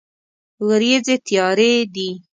ورېځې تیارې دي